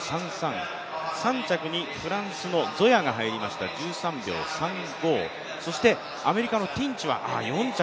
３着にフランスのゾヤが入りました１３秒３５、そしてアメリカのティンチは４着。